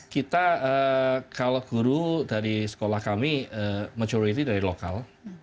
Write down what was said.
kita kalau guru dari sekolah kami majority dari lokal